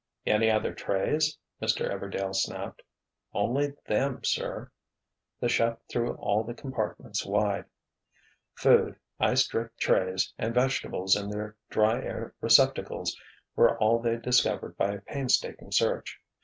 "Any other trays?" Mr. Everdail snapped. "Only them, sir." The chef threw all the compartments wide. Food, ice drip trays and vegetables in their dry air receptacles, were all they discovered by a painstaking search.